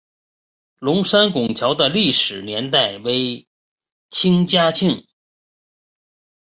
龙仙拱桥的历史年代为清嘉庆。